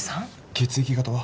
血液型は？